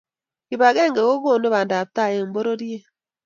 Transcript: kipagenge kokonu pandaptai eng pororiet